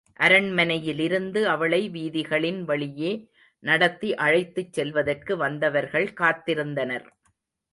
அரண்மனையிலிருந்து அவளை வீதிகளின் வழியே நடத்தி அழைத்துச் செல்வதற்கு வந்தவர்கள் காத்திருந்தனர்.